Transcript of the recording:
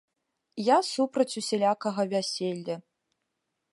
Я супраць усялякага вяселля.